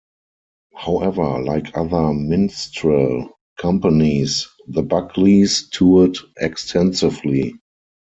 However, like other minstrel companies, the Buckleys toured extensively.